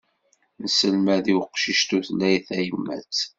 Nesselmad i uqcic tutlayt tayemmat.